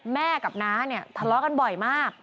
แม่กับน้าเนี่ยทะเลาะกันบ่อยมาก